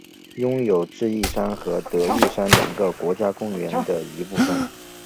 拥有智异山和德裕山两个国家公园的一部份。